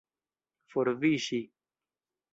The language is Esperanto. forviŝi